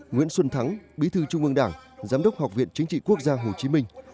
nguyễn xuân thắng bí thư trung ương đảng giám đốc học viện chính trị quốc gia hồ chí minh